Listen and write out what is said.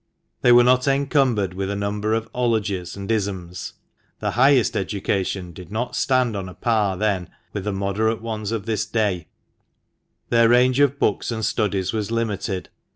They were not encumbered with a number of " ologies " and " isms " (the highest education did not stand on a par then with the moderate ones of this day) ; their range of books and studies was limited.